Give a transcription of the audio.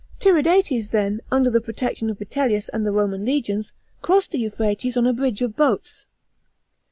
Tiridates then, under the protection of Vitellius and the Roman legions, crossed the Euphrates on a bridge of boats.